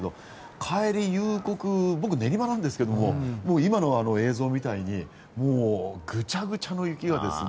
帰り、夕刻僕、練馬なんですけども今の映像みたいにぐちゃぐちゃの雪が。